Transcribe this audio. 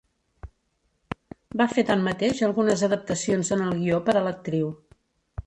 Va fer tanmateix algunes adaptacions en el guió per a l'actriu.